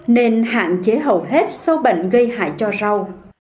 nên hạn chế hầu hết sâu bệnh gây hại cho rau